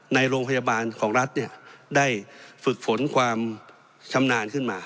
ในโรงพยาบาลของรัฐได้ฝึกฝนความชำนาญขึ้นมา